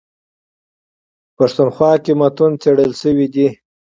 پښتونخوا کي متون څېړل سوي دي.